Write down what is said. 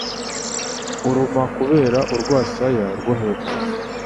Uruma kubera urwasaya rwo hepfo.